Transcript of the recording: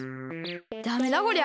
ダメだこりゃ。